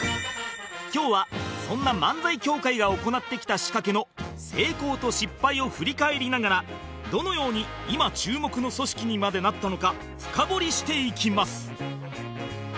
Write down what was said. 今日はそんな漫才協会が行ってきた仕掛けの成功と失敗を振り返りながらどのように今注目の組織にまでなったのか深掘りしていきます